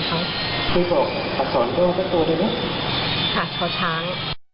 แต่ตอนพวกที่คุณพอข้าง